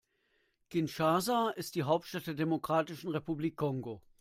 Kinshasa ist die Hauptstadt der Demokratischen Republik Kongo.